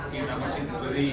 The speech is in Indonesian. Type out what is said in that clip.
kita masih beri